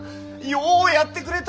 ようやってくれた！